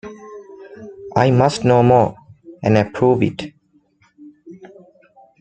I must know more, and approve it.